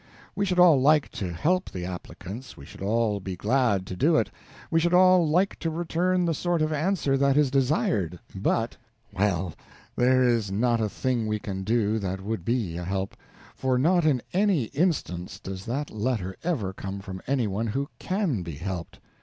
We should all like to help the applicants, we should all be glad to do it, we should all like to return the sort of answer that is desired, but Well, there is not a thing we can do that would be a help, for not in any instance does that latter ever come from anyone who _can _be helped.